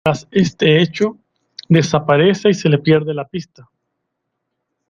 Tras este hecho desaparece y se le pierde la pista.